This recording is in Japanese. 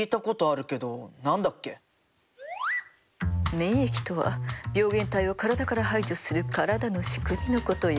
免疫とは病原体を体から排除する体の仕組みのことよ。